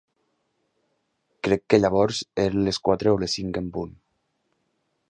Crec que llavors eren les quatre o les cinc en punt.